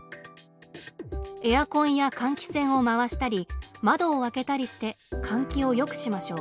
エアコンや換気扇を回したり窓を開けたりして換気をよくしましょう。